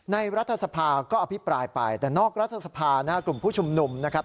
รัฐสภาก็อภิปรายไปแต่นอกรัฐสภานะครับกลุ่มผู้ชุมนุมนะครับ